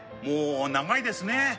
もう長いですね。